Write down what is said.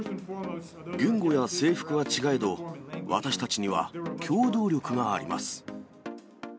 言語や制服は違えど、私たちには共同力があります。